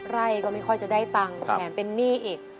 ไร่ก็ไม่ค่อยจะได้ตังค์แถมเป็นหนี้อีก